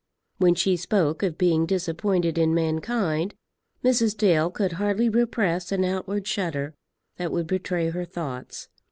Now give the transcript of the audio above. When she spoke of being disappointed in mankind, Mrs. Dale could hardly repress an outward shudder that would betray her thoughts.